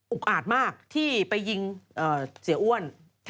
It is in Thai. อาจมากที่ไปยิงเสียอ้วน